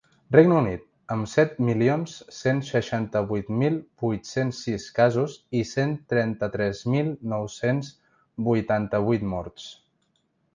Regne Unit, amb set milions cent seixanta-vuit mil vuit-cents sis casos i cent trenta-tres mil nou-cents vuitanta-vuit morts.